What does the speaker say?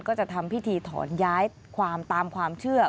ก็จะทำพิธีถอนย้ายความตามความเชื่อ